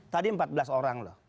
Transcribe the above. tadi empat belas orang loh